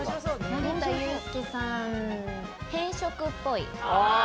成田悠輔さん、偏食っぽい。